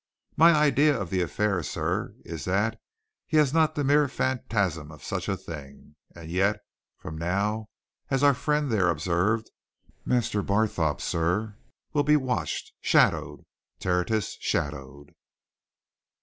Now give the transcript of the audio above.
My idea of the affair, sir, is that he has not the mere phantasm of such a thing. And yet, from now, as our friend there observed, Master Barthorpe, sir, will be watched. Shadowed, Tertius, shadowed!"